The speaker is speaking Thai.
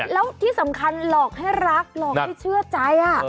แล้วที่สำคัญหลอกให้รักหลอกให้เชื่อใจ